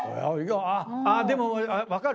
でも分かる。